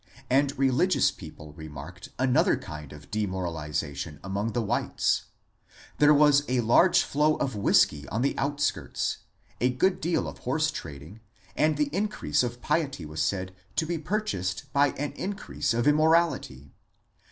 And religious people remarked another kind of demoralization among the whites : there was a large flow of whiskey on the outskirts, a good deal of horse trading, and the increase of piety was said to be purchased by an increase of immorality.